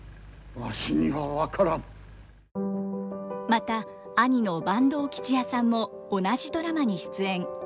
また兄の坂東吉弥さんも同じドラマに出演。